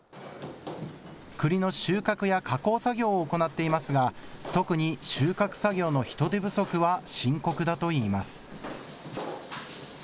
くりの収穫や加工作業を行っていますが、特に収穫作業の人手不足は深刻だといいます。